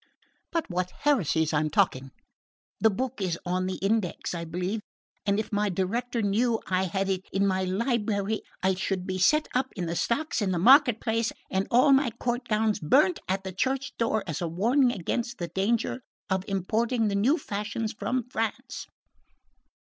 But what heresies am I talking! The book is on the Index, I believe, and if my director knew I had it in my library I should be set up in the stocks in the market place and all my court gowns burnt at the Church door as a warning against the danger of importing the new fashions from France!